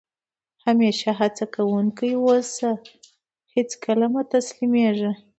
همېشه هڅه کوونکی اوسى؛ هېڅ کله مه تسلیمېږي!